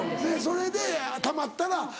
それでたまったら。